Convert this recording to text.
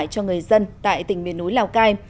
cho người dân tại tỉnh miền núi lào cai